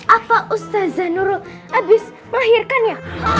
apa ustazah nurul abis melahirkan ya